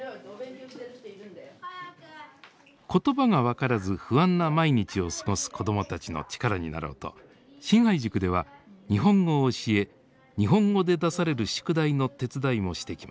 言葉が分からず不安な毎日を過ごす子どもたちの力になろうと信愛塾では日本語を教え日本語で出される宿題の手伝いもしてきました。